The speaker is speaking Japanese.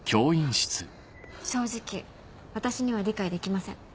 正直私には理解できません。